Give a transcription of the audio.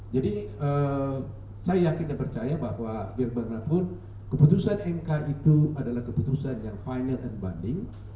jadi saya yakin dan percaya bahwa biar mana pun keputusan mk itu adalah keputusan yang final and bonding